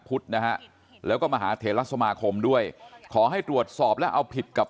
พุทธนะฮะแล้วก็มหาเถระสมาคมด้วยขอให้ตรวจสอบและเอาผิดกับ